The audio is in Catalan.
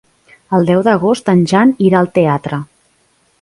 El deu d'agost en Jan irà al teatre.